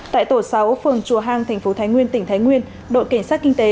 tại tổ sáu phường chùa hàng tp thái nguyên tỉnh thái nguyên đội cảnh sát kinh tế